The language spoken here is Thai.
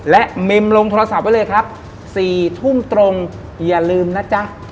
และมิมลงโทรศัพท์ไว้เลยครับ๔ทุ่มตรงอย่าลืมนะจ๊ะ